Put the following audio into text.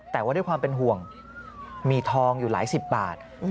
แต่ว่าด้วยความเป็นห่วงมีทองอยู่หลายสิบบาท